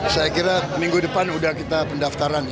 saya kira minggu depan sudah kita pendaftaran